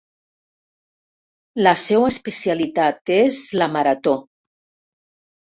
La seua especialitat és la marató.